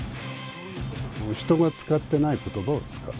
人が使ってないことばを使う。